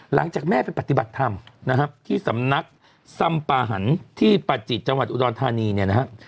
หลังจากแม่ไปปฏิบัติธรรมนะครับที่สำนักสัมปาหันที่ประจิตจังหวัดอุดรธานีเนี่ยนะฮะ